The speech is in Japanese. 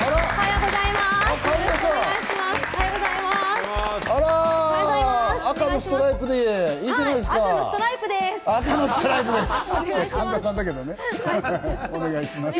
おはようございます。